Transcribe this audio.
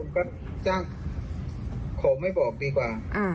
ก็จ้างของไม่บอกดีกว่า